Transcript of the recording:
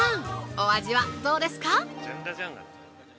お味はどうですか。